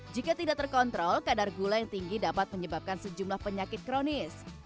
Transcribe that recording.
jika tidak terkontrol kadar gula yang tinggi dapat menyebabkan sejumlah penyakit kronis